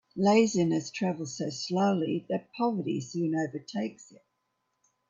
Laziness travels so slowly that poverty soon overtakes it.